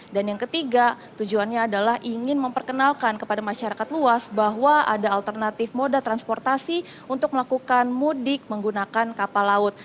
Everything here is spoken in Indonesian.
yang ketiga tujuannya adalah ingin memperkenalkan kepada masyarakat luas bahwa ada alternatif moda transportasi untuk melakukan mudik menggunakan kapal laut